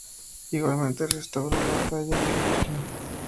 Igualmente se restauró la talla de la Virgen.